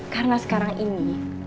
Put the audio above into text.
karena sekarang ini